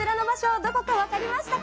どこか分かりましたか。